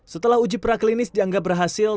setelah uji praklinis dianggap berhasil